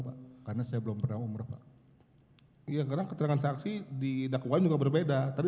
pak karena saya belum berumrah iya karena keterangan saksi di dakwahnya berbeda tadi